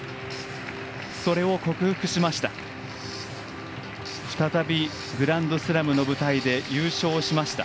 それを克服しました。